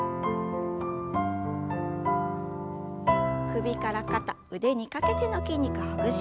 首から肩腕にかけての筋肉ほぐします。